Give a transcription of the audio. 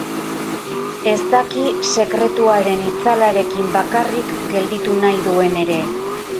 Ez daki sekretuaren itzalarekin bakarrik gelditu nahi duen ere.